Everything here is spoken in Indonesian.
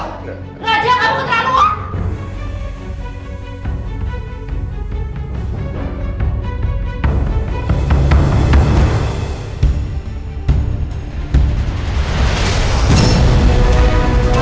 raja kamu keterlaluan